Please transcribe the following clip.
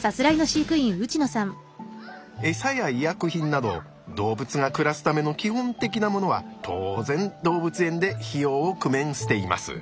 エサや医薬品など動物が暮らすための基本的なものは当然動物園で費用を工面しています。